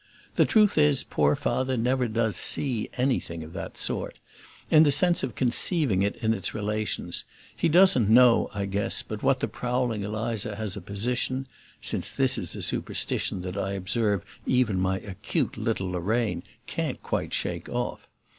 The truth is poor Father never does "see" anything of that sort, in the sense of conceiving it in its relations; he doesn't know, I guess, but what the prowling Eliza HAS a position (since this is a superstition that I observe even my acute little Lorraine can't quite shake off).